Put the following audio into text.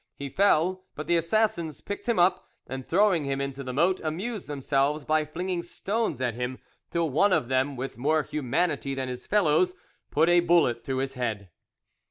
He fell, but the assassins picked him up, and throwing him into the moat, amused themselves by flinging stones at him, till one of them, with more humanity than his fellows, put a bullet through his head.